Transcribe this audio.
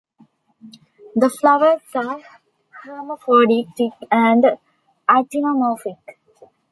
The flowers are hermaphroditic and actinomorphic.